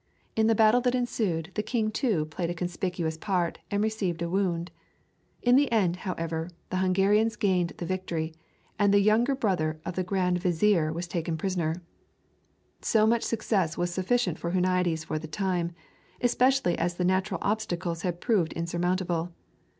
In the battle that ensued the king too played a conspicuous part and received a wound. In the end, however, the Hungarians gained the victory, and the younger brother of the Grand Vizier was taken prisoner. So much success was sufficient for Huniades for the time, especially as the natural obstacles had proved insurmountable.